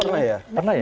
oh pernah ya